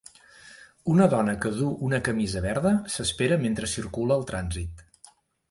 Una dona que duu una camisa verda s'espera mentre circula el trànsit